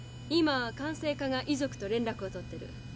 今管制課が遺族と連絡を取ってる。